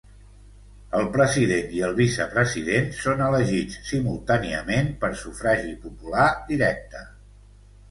El president i el vicepresident són elegits simultàniament per sufragi popular directe.